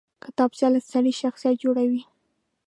کتابچه له سړي شخصیت جوړوي